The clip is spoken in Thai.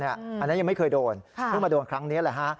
อันนั้นยังไม่เคยโดนเพิ่งมาโดนครั้งนี้แหละฮะ